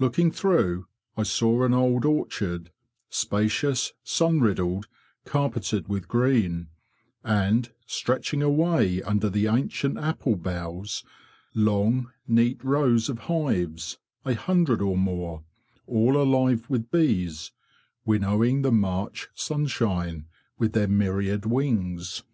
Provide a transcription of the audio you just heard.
Looking through, I saw an old orchard, spacious, sun riddled, carpeted with green; and, stretching away under the ancient apple boughs, long, neat rows of hives, a hundred or more, all alive with bees, winnowing the March sunshine with their myriad wings.